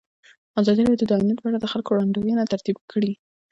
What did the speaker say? ازادي راډیو د امنیت په اړه د خلکو وړاندیزونه ترتیب کړي.